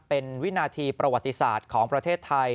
เป็นวินาทีประวัติศาสตร์ของประเทศไทย